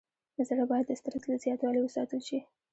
زړه باید د استرس له زیاتوالي وساتل شي.